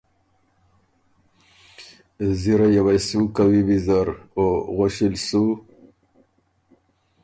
زِرئ یه وې سو کوی ویزر او غؤݭی ل سُو